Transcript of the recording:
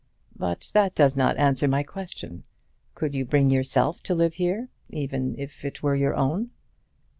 "But that does not answer my question. Could you bring yourself to live here, even if it were your own?"